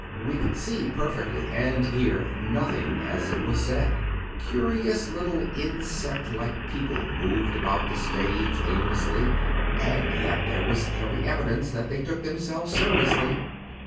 We could see perfectly and hear nothing as it was said. Curious little, insect like people moved about the stage aimlessly. And yet there was every evidence that they took themselves seriously.